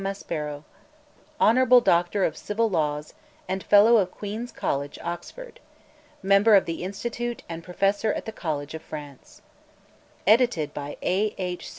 MASPERO, Honorable Doctor of Civil Laws, and Fellow of Queen's College, Oxford; Member of the Institute and Professor at the College of France Edited by A. H.